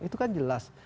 itu kan jelas